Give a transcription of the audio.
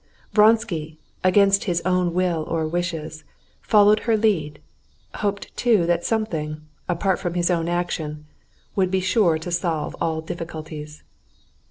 Vronsky, against his own will or wishes, followed her lead, hoped too that something, apart from his own action, would be sure to solve all difficulties.